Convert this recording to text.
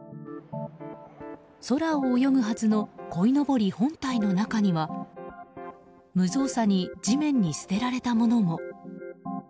空を泳ぐはずのこいのぼり本体の中には無造作に地面に捨てられたものも。